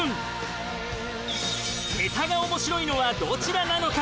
ネタがおもしろいのはどちらなのか？